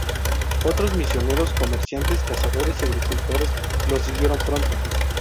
Otros misioneros, comerciantes, cazadores y agricultores los siguieron pronto.